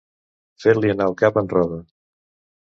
Fer-li anar el cap en roda.